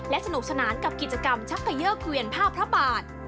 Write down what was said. สนุกสนานกับกิจกรรมชักเกยอร์เกวียนผ้าพระบาท